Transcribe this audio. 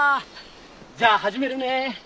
じゃあ始めるね！